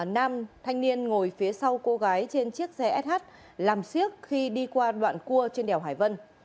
nam thanh niên ngồi phía sau cô gái trên chiếc xe sh làm siếc khi đi qua đoạn cua trên đèo hải vân